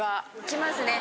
きますね。